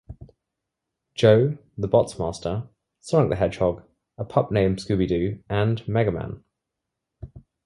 Joe", "The Bots Master", "Sonic the Hedgehog", "A Pup Named Scooby-Doo" and "Mega Man".